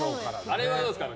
あれどうですか